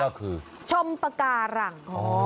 ก็คือชมปากการัง